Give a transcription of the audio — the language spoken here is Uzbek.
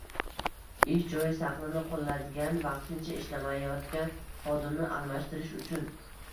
ish joyi saqlanib qolinadigan vaqtincha ishlamayotgan xodimni almashtirish uchun;